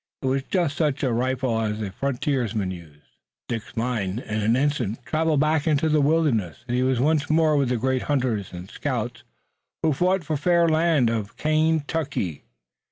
It was just such a rifle as the frontiersmen used. Dick's mind, in an instant, traveled back into the wilderness and he was once more with the great hunters and scouts who fought for the fair land of Kain tuck ee.